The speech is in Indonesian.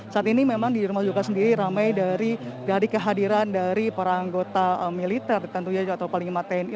saat ini memang di rumah juga sendiri ramai dari kehadiran dari para anggota militer tentunya atau panglima tni